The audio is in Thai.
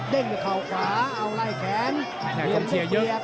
เด้นเท่าขาเอาไล่แขนอย่างเล็กเตี๊ยว